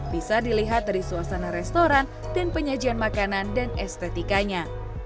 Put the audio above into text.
bisa dilihat dari suasana restoran dan penyajian makanan dan estetikanya